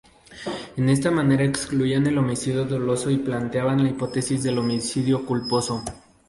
En esta manera excluían el homicidio doloso y planteaban la hipótesis del homicidio culposo.